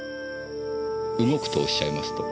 動くとおっしゃいますと？